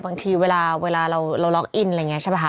บางทีเวลาเราล็อกอินอะไรอย่างนี้ใช่ป่ค